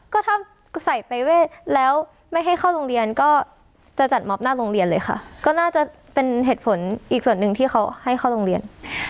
ก็ถ้าใส่ไปเวทแล้วไม่ให้เข้าโรงเรียนก็จะจัดมอบหน้าโรงเรียนเลยค่ะก็น่าจะเป็นเหตุผลอีกส่วนหนึ่งที่เขาให้เข้าโรงเรียน